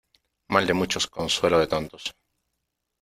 Mal de muchos consuelo de tontos.